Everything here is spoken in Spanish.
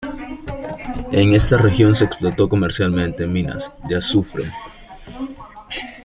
En esta región se explotó comercialmente minas de azufre.